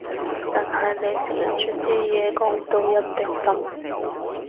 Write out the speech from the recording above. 但係你成日將啲嘢講到一定噉